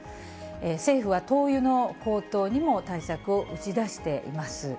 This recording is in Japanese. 政府は、灯油の高騰にも対策を打ち出しています。